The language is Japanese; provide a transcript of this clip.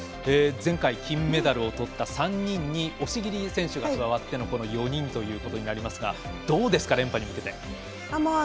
前回金メダルをとった３人に押切選手が加わっての４人となりますがどうですか、連覇に向けて。